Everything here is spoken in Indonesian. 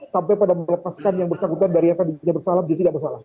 sampai pada melepaskan yang bersangkutan dari yang tadinya bersalah jadi tidak bersalah